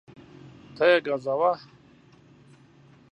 ته یې ګزوه